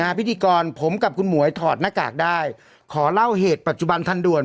พิธีกรผมกับคุณหมวยถอดหน้ากากได้ขอเล่าเหตุปัจจุบันทันด่วน